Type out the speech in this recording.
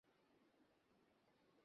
কি চলতাছে এইসব?